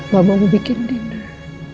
mama mau bikin dinner